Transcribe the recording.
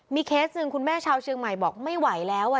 เคสหนึ่งคุณแม่ชาวเชียงใหม่บอกไม่ไหวแล้ว